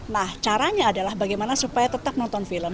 nah caranya adalah bagaimana supaya tetap nonton film